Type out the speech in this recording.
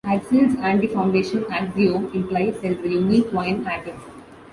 Aczel's anti-foundation axiom implies there is a unique Quine atom.